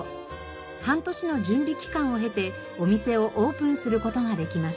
半年の準備期間を経てお店をオープンする事ができました。